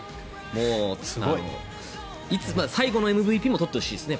もう最後のＭＶＰも取ってほしいですね。